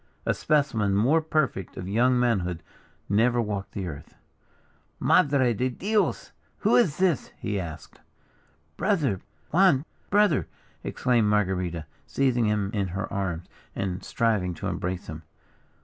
A specimen more perfect of young manhood never walked the earth. "Madre de Dios, who is this?" he asked. "Brother! Juan! brother!" exclaimed Marguerita, seizing him in her arms, and striving to embrace him.